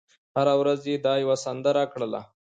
هره ورځ یې دا یوه سندره کړله